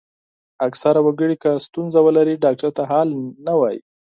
اکثره وګړي که ستونزه ولري ډاکټر ته حال نه وايي.